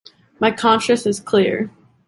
My conscious is clear.